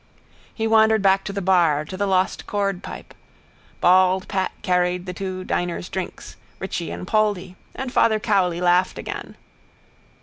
He wandered back to the bar to the lost chord pipe. Bald Pat carried two diners' drinks, Richie and Poldy. And Father Cowley laughed again.